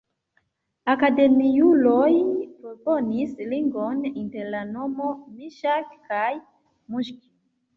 Akademiuloj proponis ligon inter la nomo Miŝak kaj Muŝki.